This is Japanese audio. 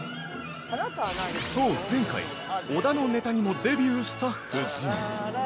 ◆そう、前回、小田のネタにもデビューした夫人。